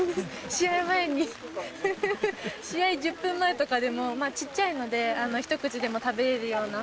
試合前に、試合１０分前とかでも、小っちゃいので、一口でも食べれるような。